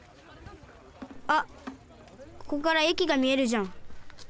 あっここからえきがみえるじゃん。